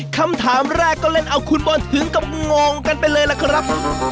คำถามแรกก็เล่นเอาคุณบอลถึงกับงงกันไปเลยล่ะครับ